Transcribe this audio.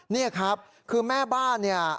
นี่ครับคือแม่บ้านเนี่ย